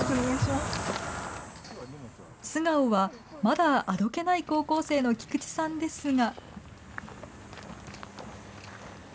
素顔はまだあどけない高校生の菊池さんですが。